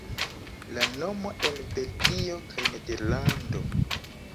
La nomo en Belgio kaj Nederlando.